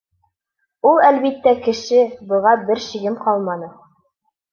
Ул, әлбиттә, кеше, быға бер шигем ҡалманы.